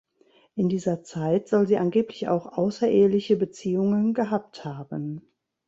In dieser Zeit soll sie angeblich auch außereheliche Beziehungen gehabt haben.